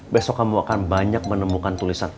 besok kamu akan banyak menemukan tulisan